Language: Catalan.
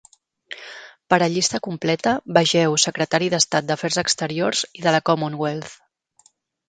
Per a llista completa, vegeu Secretari d'Estat d'Afers Exteriors i de la Commonwealth.